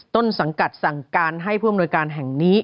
ต้นสังกัดสั่งการให้ผู้อำนวยการแห่งนี้